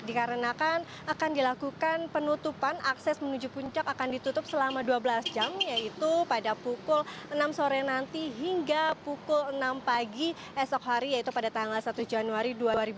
dikarenakan akan dilakukan penutupan akses menuju puncak akan ditutup selama dua belas jam yaitu pada pukul enam sore nanti hingga pukul enam pagi esok hari yaitu pada tanggal satu januari dua ribu dua puluh